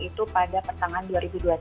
itu pada pertengahan dua ribu dua puluh satu